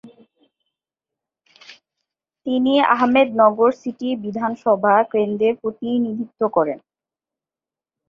তিনি আহমেদনগর সিটি বিধানসভা কেন্দ্রের প্রতিনিধিত্ব করেন।